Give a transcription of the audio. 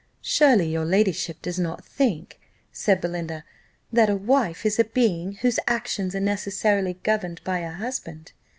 "Surely, your ladyship does not think," said Belinda, "that a wife is a being whose actions are necessarily governed by a husband."